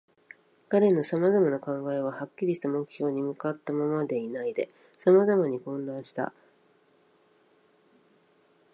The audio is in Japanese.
彼のさまざまな考えは、はっきりした目標に向ったままでいないで、さまざまに混乱した。たえず故郷のことが頭に浮かび、故郷の思い出が彼の心をみたした。